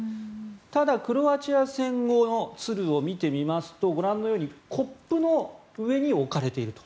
ただ、クロアチア戦後の鶴を見てみますとご覧のようにコップの上に置かれていると。